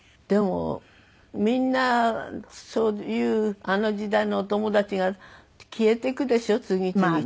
でもみんなそういうあの時代のお友達が消えていくでしょ次々と。